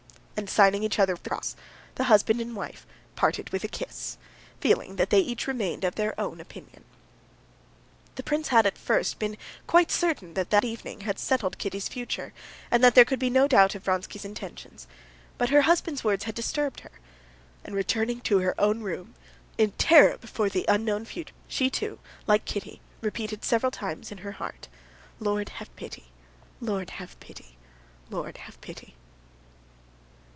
And signing each other with the cross, the husband and wife parted with a kiss, feeling that they each remained of their own opinion. The princess had at first been quite certain that that evening had settled Kitty's future, and that there could be no doubt of Vronsky's intentions, but her husband's words had disturbed her. And returning to her own room, in terror before the unknown future, she, too, like Kitty, repeated several times in her heart, "Lord, have pity; Lord, have pity; Lord, have pity."